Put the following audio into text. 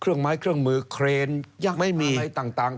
เครื่องไม้เครื่องมือเครนยักษ์อะไรต่าง